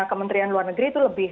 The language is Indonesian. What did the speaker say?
kementerian luar negeri itu lebih